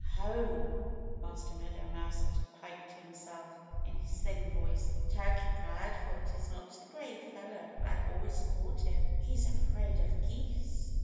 "Ho!" Master Meadow Mouse had piped to himself in his thin voice. "Turkey Proudfoot is not the brave fellow I always thought him. He's afraid of geese!"